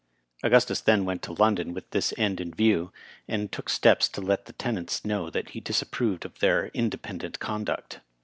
Augustus then went to London with this end in view, and took steps to let the tenants know that he disapproved of their independent conduct.